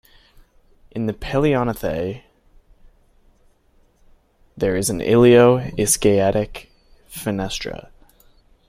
In the paleognathae there is an ilio-ischiatic fenestra.